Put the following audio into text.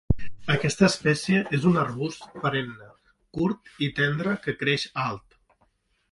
Aquesta espècie és un arbust perenne, curt i tendre que creix alt.